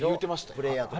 プレーヤーとかで。